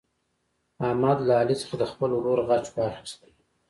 احمد له علي څخه د خپل ورور غچ واخیست.